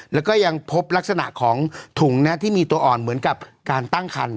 แล้วก็ยังพบลักษณะของถุงที่มีตัวอ่อนเหมือนกับการตั้งคัน